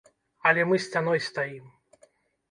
Але мы сцяной стаім.